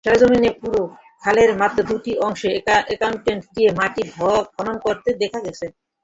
সরেজমিনে পুরো খালের মাত্র দুটি অংশে এক্সকাভেটর দিয়ে মাটি খনন করতে দেখা গেছে।